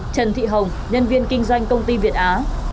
trần thị hồng nhân viên kinh doanh công ty việt á